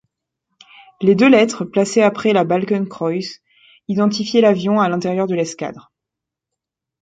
Les deux lettres placées après la Balkenkreuz identifiaient l'avion à l'intérieur de l'escadre.